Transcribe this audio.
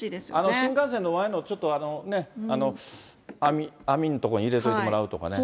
新幹線の前の網の所に入れといてもらうとかね。